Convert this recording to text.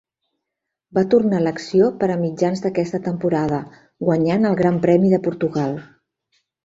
Va tornar a l'acció per a mitjans d'aquesta temporada, guanyant el Gran Premi de Portugal.